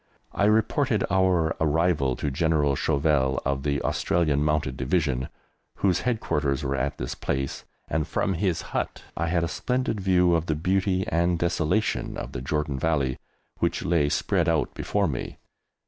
I reported our arrival to General Chauvel, of the Australian Mounted Division, whose headquarters were at this place, and from his hut I had a splendid view of the beauty and desolation of the Jordan Valley which lay spread out before me.